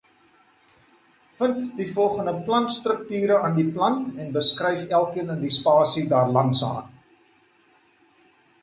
Vind die volgende plantstrukture aan die plant en beskryf elkeen in die spasie daarlangsaan.